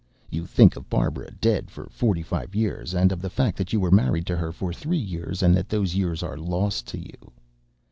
You think of Barbara dead for forty five years. And of the fact that you were married to her for three years and that those years are lost to you.